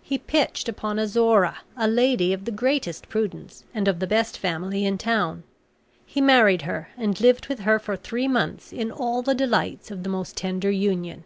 He pitched upon Azora, a lady of the greatest prudence, and of the best family in town. He married her and lived with her for three months in all the delights of the most tender union.